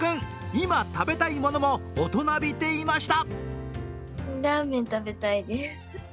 今、食べたいものも大人びていました。